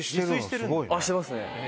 してますね。